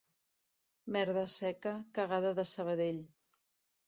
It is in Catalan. Merda seca, cagada de Sabadell!